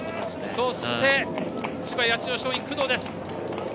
そして千葉の八千代松陰の工藤。